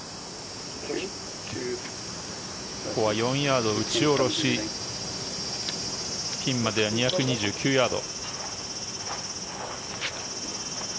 ここは４ヤード打ち下ろしピンまでは２２９ヤード。